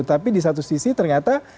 tapi di satu sisi ternyata